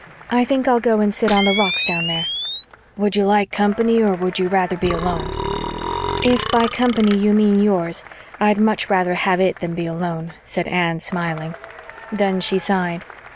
I think I'll go and sit on the rocks down there." "Would you like company or would you rather be alone?" "If by company you mean yours I'd much rather have it than be alone," said Anne, smiling. Then she sighed.